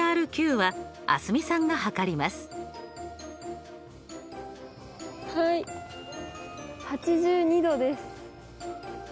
はい８２°です。